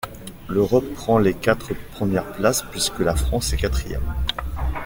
L'Europe prend les quatre premières places puisque la France est quatrième.